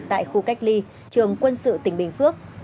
tại khu cách ly trường quân sự tỉnh bình phước